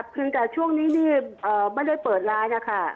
เพราะแต่ช่วงนี้ไม่ได้เปิดร้านค่ะ